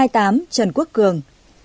hai mươi tám trần quốc cường